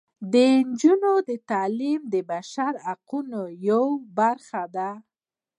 د نجونو تعلیم د بشري حقونو یوه برخه ده.